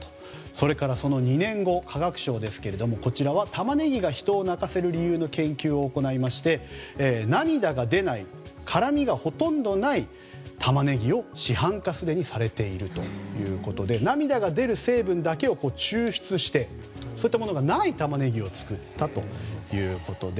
それから、その２年後化学賞ですがこちらはタマネギが人を泣かせる理由の研究を行いまして涙が出ないからみがほとんどないタマネギをすでに市販化されているということで涙が出る成分だけを抽出してそういったものがないタマネギを作ったということで。